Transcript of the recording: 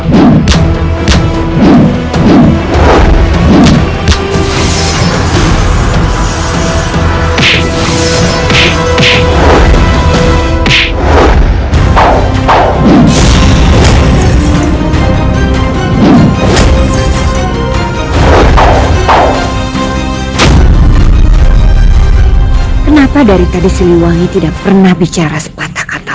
buktikanlah kesetiaanmu padaku surakarta